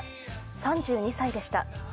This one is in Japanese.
３２歳でした。